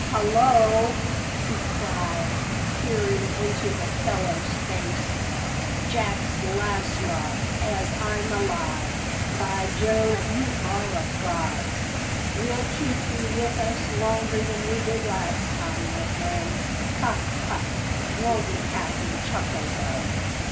"Hullo!" he cried, peering into the fellow's face, "Jack's lascar, as I'm alive! By Jove, you are a prize! We'll keep you with us longer than we did last time, my friend. Ha, ha! won't the captain chuckle, though!"